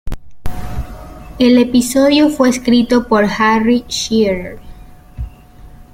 El episodio fue escrito por Harry Shearer.